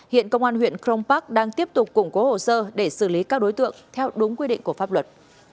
hiện công an huyện crong park đang tiếp tục củng cố hồ sơ để xử lý các đối tượng theo đúng quy định của pháp luật